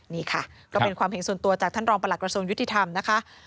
นี่ค่ะก็เป็นความเห็นส่วนตัวจากท่านรองประหลักกระทรวงยุติธรรมนะคะ